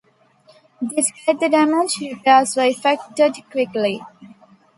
Despite the damage, repairs were effected quickly.